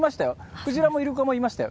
クジラもイルカもいましたよ。